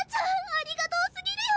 ありがとうすぎるよ！